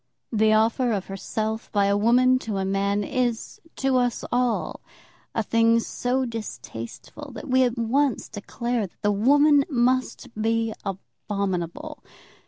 The offer of herself by a woman to a man is, to us all, a thing so distasteful that we at once declare that the woman must be abominable.